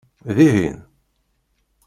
Dihin?